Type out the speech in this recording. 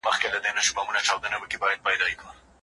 موږ کولای سو چي یو روښانه ژوند ولرو.